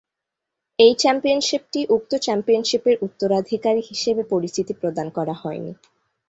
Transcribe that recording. এই চ্যাম্পিয়নশিপটি উক্ত চ্যাম্পিয়নশিপের উত্তরাধিকারী হিসেবে পরিচিতি প্রদান করা হয়নি।